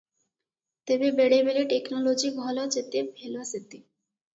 ତେବେ ବେଳେବେଳେ ଟେକନୋଲୋଜି ଭଲ ଯେତେ ଭେଲ ସେତେ ।